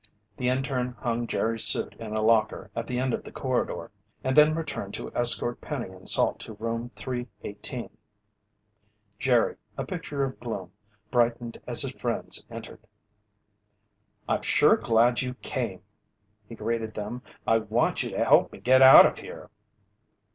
The interne hung Jerry's suit in a locker at the end of the corridor and then returned to escort Penny and Salt to Room 318. Jerry, a picture of gloom, brightened as his friends entered. "I'm sure glad you came!" he greeted them. "I want you to help me get out of here."